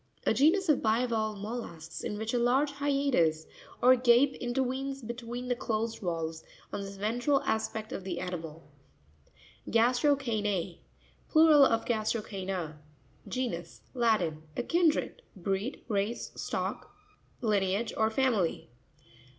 A genus of bivalve mollusks, in which a large hiatus or gape inter. venes between the closed valves, on the ventral aspect of the animal (page 88). Gas'tRocH2 N&.—Plural of gastro chena. Ge'nus.—Latin. A kindred, breed, race, stock, lineage or family.